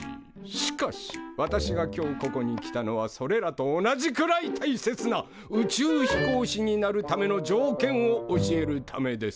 しかし私が今日ここに来たのはそれらと同じくらいたいせつな宇宙飛行士になるための条件を教えるためです。